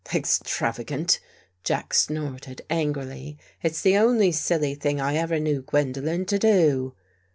"Extravagant!" Jack snorted angrily. "It's the only silly thing I ever knew Gwendolen to do."